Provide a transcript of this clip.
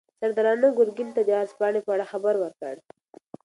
سردارانو ګورګین ته د عرض پاڼې په اړه خبر ورکړ.